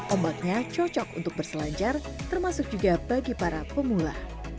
ombaknya cocok untuk berselancar termasuk juga bagi para pemula